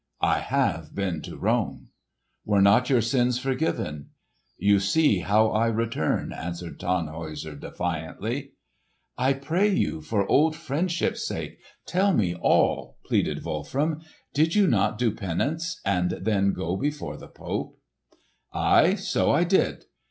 "I have been to Rome." "Were not your sins forgiven?" "You see how I return," answered Tannhäuser defiantly. "I pray you, for old friendship's sake, tell me all!" pleaded Wolfram. "Did you not do penance, and then go before the Pope?" "Aye, so I did!